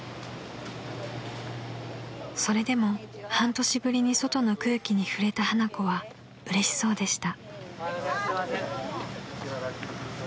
［それでも半年ぶりに外の空気に触れた花子はうれしそうでした］